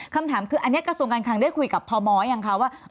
คำถามคืออันนี้กระทรวงการคังได้คุยกับพมยังคะว่า